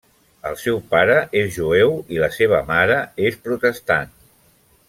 El seu pare és jueu i la seva mare és protestant.